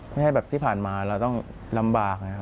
ไม่ให้แบบที่ผ่านมาเราต้องลำบาก